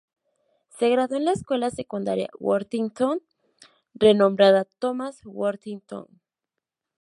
Se graduó de la escuela secundaria Worthington —renombrada Thomas Worthington—.